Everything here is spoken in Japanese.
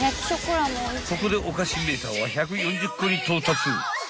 ［ここでおかしメーターは１４０個に到達］